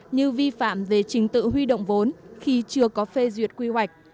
như vi phạm về trình tự huy động vốn khi chưa có phê duyệt quy hoạch